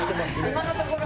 今のところ。